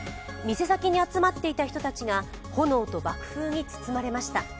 店先に集まっていた人たちが炎と爆風に包まれました。